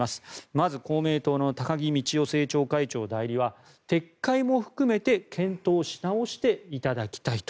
まず、公明党の高木美智代政調会長代理は撤回も含めて検討し直していただきたいと。